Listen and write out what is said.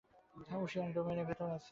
ঊশিয়ান ডোমেইনের ভেতর গেছে।